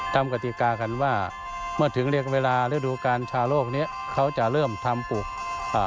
กติกากันว่าเมื่อถึงเรียกเวลาฤดูการชาโลกเนี้ยเขาจะเริ่มทำปลูกอ่า